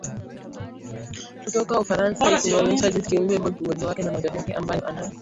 kutoka Ufarasa ikimuonyesha jinsi kiumbe bolb uwezo wake na maajabu yake ambayo anayo